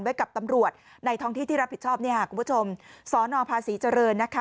ไว้กับตำรวจในท้องที่ที่รับผิดชอบเนี่ยค่ะคุณผู้ชมสนภาษีเจริญนะคะ